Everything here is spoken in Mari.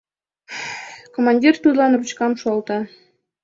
Командир тудлан ручкам шуялта.